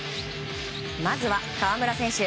まずは河村選手。